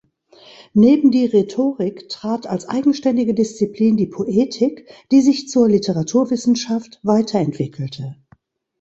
Neben die Rhetorik trat als eigenständige Disziplin die Poetik, die sich zur Literaturwissenschaft weiterentwickelte.